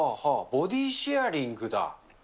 ボディシェアリングだ。